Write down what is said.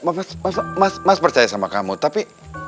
mas mas percaya sama kamu tapi